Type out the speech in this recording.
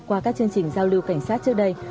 qua các chương trình giao lưu cảnh sát trước đây